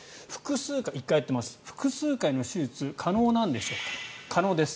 １回やっていますが複数回の手術は可能なんでしょうか可能です。